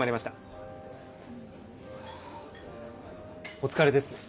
お疲れですね？